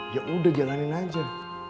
ya udah jalanin aja